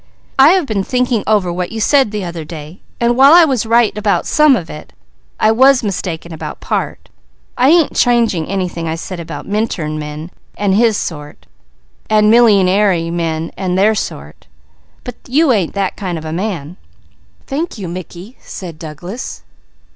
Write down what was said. "I have been thinking over what you said the other day, and while I was right about some of it, I was mistaken about part. I ain't changing anything I said about Minturn men and his sort, and millyingaire men and their sort; but you ain't that kind of a man " "Thank you, Mickey," said Douglas.